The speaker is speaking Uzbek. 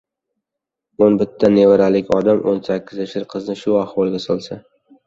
O‘n bitta nevaralik odam o‘n sakkiz yashar qizni shu ahvolga solsa!